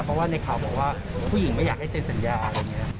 เพราะว่าในข่าวบอกว่าผู้หญิงไม่อยากให้เซ็นสัญญาอะไรอย่างนี้